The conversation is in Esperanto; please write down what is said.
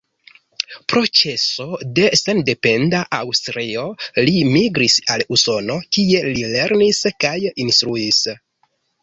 Pro ĉeso de sendependa Aŭstrio li migris al Usono, kie li lernis kaj instruis.